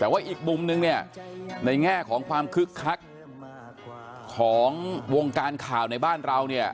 แต่ว่าอีกมุมนึงเนี่ยในแง่ของความคึกคักของวงการข่าวในบ้านเราเนี่ย